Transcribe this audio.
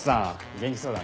元気そうだね。